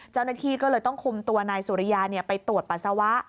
เจ้าหน้าที่ก็เลยต้องคุมตัวนายสุริยาไปตรวจปัสสาวะ